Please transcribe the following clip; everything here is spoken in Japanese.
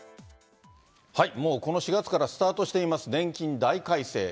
もうこの４月からスタートしています、年金大改正。